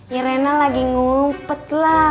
ya rena lagi numpet lah